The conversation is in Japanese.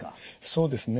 そうですね。